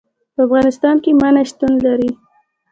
په افغانستان کې منی شتون لري.